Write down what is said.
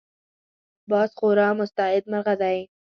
باز خورا مستعد مرغه دی